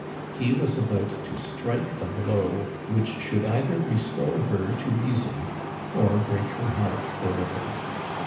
He was about to strike a blow which should either restore her to reason or break her heart forever.